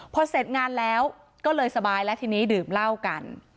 พอเสร็จงานแล้วก็เลยสบายแล้วทีนี้ดื่มเหล้ากัน